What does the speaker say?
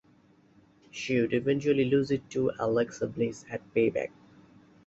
She would eventually lose it to Alexa Bliss at Payback.